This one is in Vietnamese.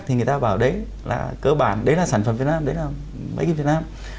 thì người ta bảo đấy là cơ bản đấy là sản phẩm việt nam đấy là make in việt nam